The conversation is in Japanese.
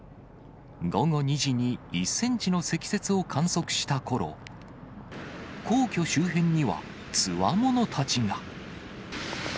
午後２時に１センチの積雪を観測したころ、皇居周辺にはつわものたちが。